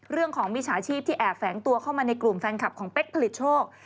มิจฉาชีพที่แอบแฝงตัวเข้ามาในกลุ่มแฟนคลับของเป๊กผลิตโชค